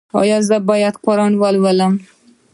ایا زه باید قرآن ولولم؟